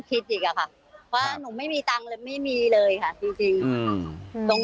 คิดอีกอะค่ะว่าหนูไม่มีตังค์เลยไม่มีเลยค่ะจริงจริงอืมตรง